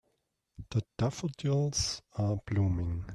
The daffodils are blooming.